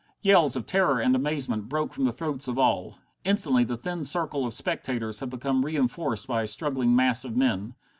Yells of terror and amazement broke from the throats of all. Instantly the thin circle of spectators had become reinforced by a struggling mass of men.